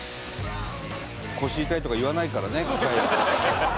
「腰痛い」とか言わないからね機械は。